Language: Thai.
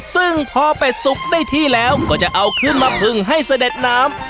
ซึ่งพอเป็ดสุกได้ที่แล้วก็จะเอาขึ้นมาพึงให้เสด็จน้ำ